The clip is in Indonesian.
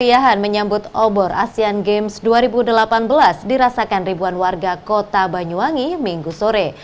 keriahan menyambut obor asean games dua ribu delapan belas dirasakan ribuan warga kota banyuwangi minggu sore